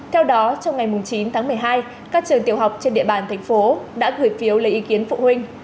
hôm nay các trường tiểu học trên địa bàn thành phố đã gửi phiếu lấy ý kiến phụ huynh